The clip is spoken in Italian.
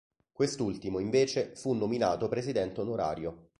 Quest'ultimo, invece, fu nominato presidente onorario.